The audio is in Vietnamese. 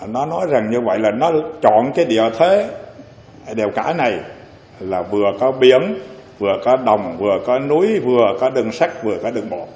nó nói rằng như vậy là nó chọn cái địa thế đèo cả này là vừa có biển vừa có đồng vừa có núi vừa có đường sắt vừa có đường bộ